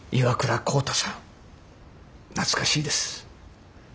懐かしいです。